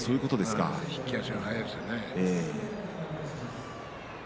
引き足が速いですから。